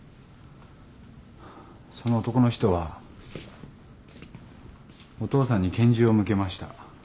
その男の人はお父さんに拳銃を向けました。